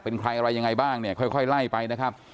เป็นใครอะไรยังไงบ้างเนี่ยค่อยไล่ไปนะครับ